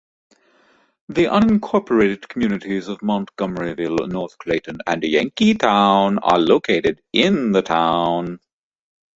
The unincorporated communities of Montgomeryville, North Clayton, and Yankeetown are located in the town.